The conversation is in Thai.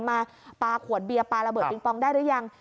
มาปาขวดเบียบปาระเบิดปริงปองได้หรือยัง